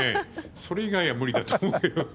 それ以外は無理だと思います。